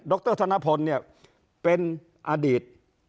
ดธนพนธน์เนี่ยเป็นอดีต